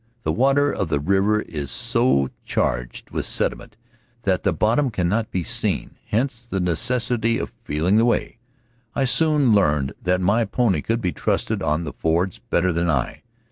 The water of the river is so charged with sediment that the bottom cannot be seen; hence the necessity of feeling the way. I soon learned that my pony could be trusted on the fords better than I.